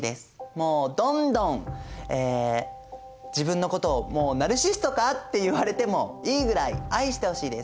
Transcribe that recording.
もうどんどん自分のことをもうナルシストかって言われてもいいぐらい愛してほしいです。